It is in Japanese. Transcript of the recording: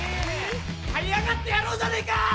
はい上がってやろうじゃねえか！